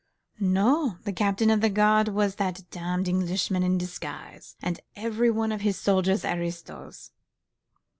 "No! The captain of the guard was that damned Englishman in disguise, and every one of his soldiers aristos!"